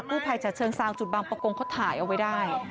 กุภัยชาเชิงสร้างจุดบางประกงเขาถ่ายเอาไว้ได้